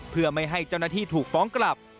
เพื่อไม่ให้เจ้าหน้าที่ถูกฟ้องกลับ